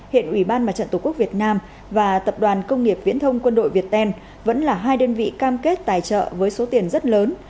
hiện ủy ban mặt trận tổ quốc việt nam và tập đoàn công nghiệp viễn thông quân đội việt tên vẫn là hai đơn vị cam kết tài trợ với số tiền rất lớn